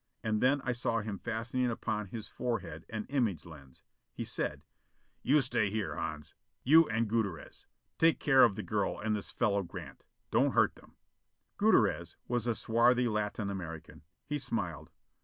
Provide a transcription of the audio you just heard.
And then I saw him fastening upon his forehead an image lens. He said: "You stay here, Hans. You and Gutierrez. Take care of the girl and this fellow Grant. Don't hurt them." Gutierrez was a swarthy Latin American. He smiled.